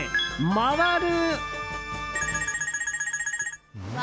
回る？？？